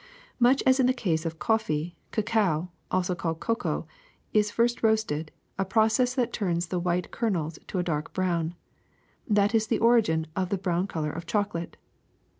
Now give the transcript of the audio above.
*^Much as in the case of coffee, cacao (also called cocoa) is first roasted, a process that turns the white kernels to a dark brown. That is the origin of the brown color of chocolate.